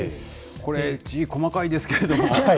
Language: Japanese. これ、字、細かいですけれども。